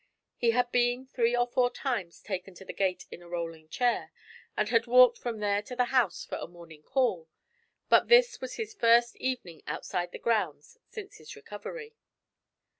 He had been three or four times taken to the gate in a rolling chair, and had walked from there to the house for a morning call; but this was his first evening outside the grounds since his recovery.